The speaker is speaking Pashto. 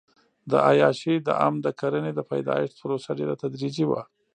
د عیاشۍ دام د کرنې د پیدایښت پروسه ډېره تدریجي وه.